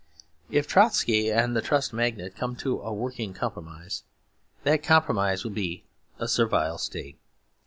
If Trotsky and the Trust magnate come to a working compromise, that compromise will be a Servile State.